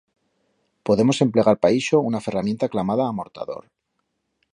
Podemos emplegar pa ixo una ferramienta clamada amortador.